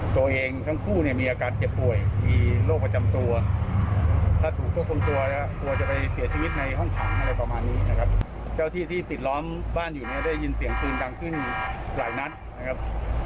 ที่ติดล้อมบ้านอยู่นี้ได้ยินเสียงพื้นดังขึ้นหลายนัดนะครับ